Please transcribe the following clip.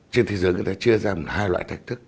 trên thế giới người ta chia ra hai loại thách thức